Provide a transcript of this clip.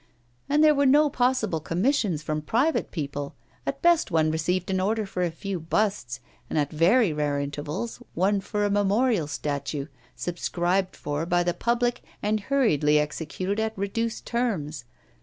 And there were no possible commissions from private people; at best one received an order for a few busts, and at very rare intervals one for a memorial statue, subscribed for by the public and hurriedly executed at reduced terms.